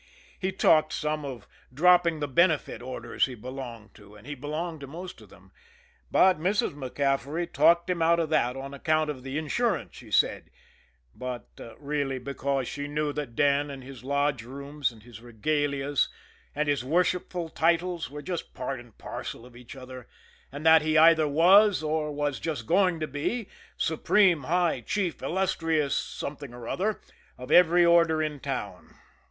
He talked some of dropping the benefit orders he belonged to, and he belonged to most of them, but Mrs. MacCaffery talked him out of that on account of the insurance, she said, but really because she knew that Dan and his lodge rooms and his regalias and his worshipful titles were just part and parcel of each other, and that he either was, or was just going to be, Supreme High Chief Illustrious Something or other of every Order in town.